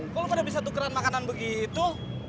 kok lo gak bisa tukeran makanan begitu